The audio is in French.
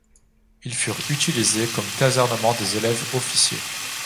Ils furent utilisés comme casernements des élèves-officiers.